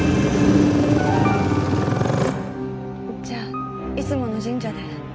じゃあいつもの神社で。